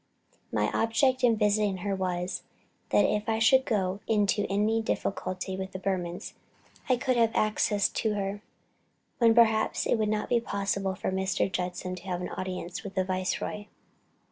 "My object in visiting her was, that if we should go into any difficulty with the Burmans, I could have access to her, when perhaps it would not be possible for Mr. Judson to have an audience with the Viceroy."